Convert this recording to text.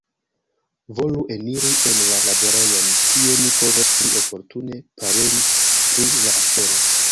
Volu eniri en la laborejon; tie ni povos pli oportune paroli pri la afero.